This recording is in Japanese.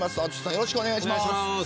よろしくお願いします。